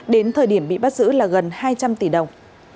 đến thời điểm bị bắt giữ là gần hai trăm linh tỷ đồng